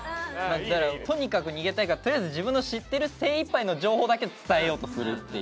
とにかく逃げたいからとりあえず自分の知ってる精いっぱいの情報だけ伝えようとするっていう。